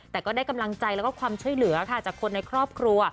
แต่ก็ได้กำลังใจแล้วก็ความช่วยเหลือค่ะจากคนในครอบครัว